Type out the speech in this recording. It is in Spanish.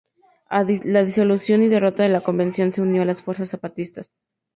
A la disolución y derrota de la Convención se unió a las fuerzas zapatistas.